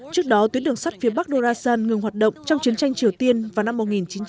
trước đó tuyến đường sắt phía bắc gadorasan ngừng hoạt động trong chiến tranh triều tiên vào năm một nghìn chín trăm năm mươi một